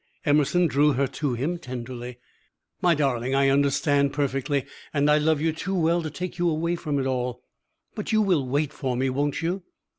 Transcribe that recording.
Emerson drew her to him tenderly. "My darling, I understand perfectly, and I love you too well to take you away from it all; but you will wait for me, won't you?"